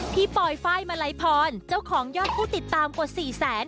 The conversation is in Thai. ปอยไฟล์มาลัยพรเจ้าของยอดผู้ติดตามกว่า๔แสน